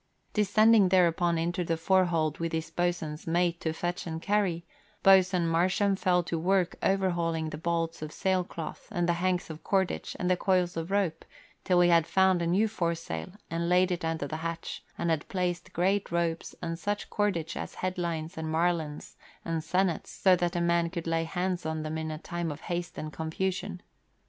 Descending thereupon into the forehold with his boatswain's mate to fetch and carry, Boatswain Marsham fell to work overhauling the bolts of sail cloth and the hanks of cordage and the coils of rope, till he had found a new foresail and laid it under the hatch, and had placed great ropes and such cordage as headlines and marlines and sennets so that a man could lay hands on them in a time of haste and confusion.